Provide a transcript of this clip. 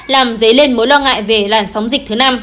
làm dấy lên mối lo ngại về làn sóng dịch thứ năm